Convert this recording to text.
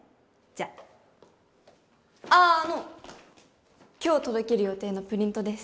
あの今日届ける予定のプリントです